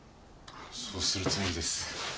そうするつもりです。